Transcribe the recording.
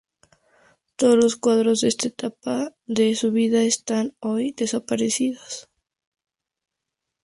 Todos los cuadros de esa etapa de su vida están hoy desaparecidos.